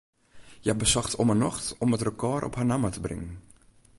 Hja besocht om 'e nocht om it rekôr op har namme te bringen.